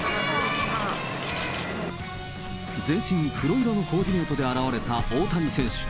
全身黒色のコーディネートで現れた大谷選手。